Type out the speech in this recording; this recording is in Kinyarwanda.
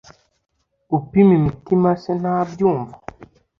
Upima imitima se ntabyumva